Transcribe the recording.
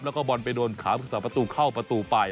แล้วก็บอลไปโดนขารักษาประตูเข้าประตูไป